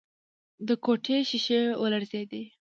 د کوټې ښيښې ولړزېدې.